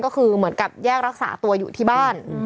ก็คือเหมือนกับแยกรักษาตัวอยู่ที่บ้าน